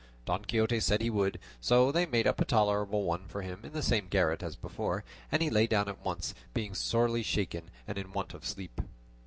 Don Quixote said he would, so they made up a tolerable one for him in the same garret as before; and he lay down at once, being sorely shaken and in want of sleep.